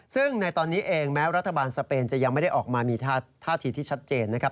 ซึ่งในตอนนี้เองแม้รัฐบาลสเปนจะยังไม่ได้ออกมามีท่าทีที่ชัดเจนนะครับ